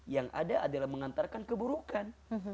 yang ada adalah mengantarkan keburukan